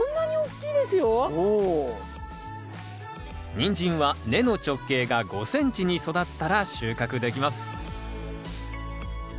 ニンジンは根の直径が５ｃｍに育ったら収穫できます